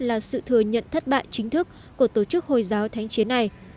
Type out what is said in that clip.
là sự thừa nhận thất bại chính thức của tổ chức hồi giáo thánh chiến này